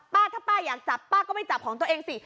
ป้าถ้าป้าอยากจับป้าก็ไม่จับของตัวเองสิ